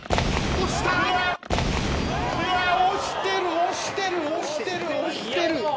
押してる押してる押してる押してる。